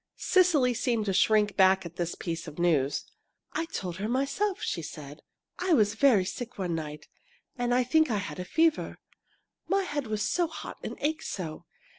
Cecily seemed to shrink back at this piece of news. "I told her, myself," she said. "I was very sick one night I think I had a fever. My head was so hot and ached so.